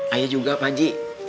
ayah juga pak haji